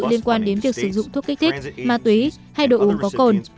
liên quan đến việc sử dụng thuốc kích thích ma túy hay đồ uống có cồn